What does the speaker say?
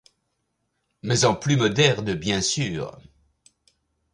Mais en plus moderne, bien sûr!